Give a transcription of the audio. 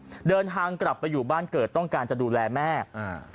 เดินทางกลับไปอยู่บ้านเกิดต้องการจะดูแลแม่อ่า